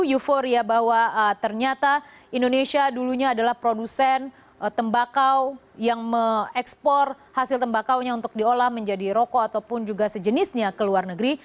euforia bahwa ternyata indonesia dulunya adalah produsen tembakau yang mengekspor hasil tembakaunya untuk diolah menjadi rokok ataupun juga sejenisnya ke luar negeri